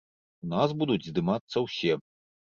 У нас будуць здымацца ўсе.